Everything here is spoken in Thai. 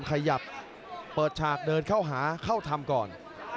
ขยับเปิดฉากเดินเข้าหาเข้าทำก่อน